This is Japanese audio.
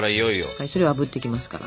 はいそれあぶっていきますから。